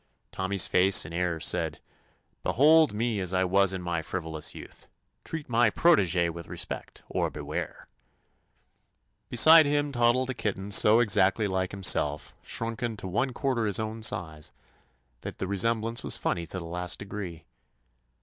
Tommy's face and air said: "Behold me as I was in my frivolous youth! Treat my protege with respect, or beware I" Beside him toddled a kitten so ex 122 TOMMY POSTOFFICE actly like himself shrunken to one quarter his own size that the resem blance was funny to the last degree.